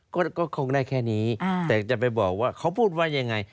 ก็คงได้แค่นี้แต่จะไปบอกว่าเขาพูดว่ายังไง